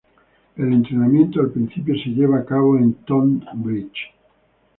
El entrenamiento al principio se llevaba a cabo en Tonbridge.